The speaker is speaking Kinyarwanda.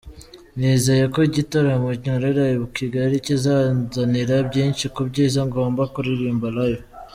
Nizeye ko igitaramo nkorera i Kigali kinzanira byinshi byiza, ngomba kuririmba live.